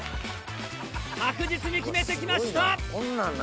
確実に決めてきました！